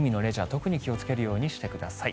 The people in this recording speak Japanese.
特に気をつけるようにしてください。